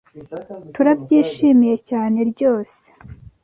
Turabyishimiye cyane ryose.